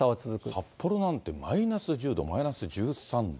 札幌なんてマイナス１０度、マイナス１３度。